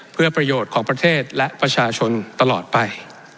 เพื่อประโยชน์ของประเทศและประชาชนตลอดไป